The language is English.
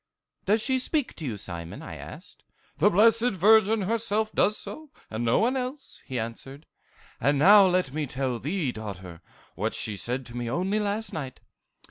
"'Does she speak to you, Simon?' I asked. "'The Blessed Virgin herself does so, and no one else,' he answered. 'And now let me tell thee, daughter, what she said to me only last night.